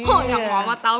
oh yang mama tahu